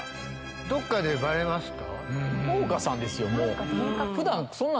どっかでバレました？